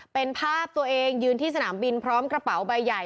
เป็นภาพตัวเองยืนที่สนามบินพร้อมกระเป๋าใบใหญ่